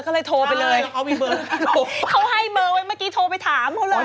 เขาให้เบิ้ลไปเมื่อกี้แล้วโทรไปถามเขาเลย